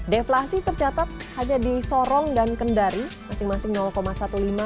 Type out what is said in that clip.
deflasi tercatat hanya di sorong dan kendari masing masing lima belas dan sembilan persen